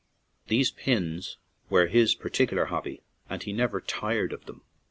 These "Pins" were his particular hobby, and he never tired of them.